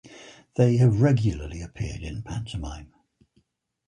They have regularly appeared in pantomime.